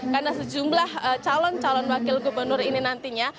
karena sejumlah calon calon wakil gubernur ini nantinya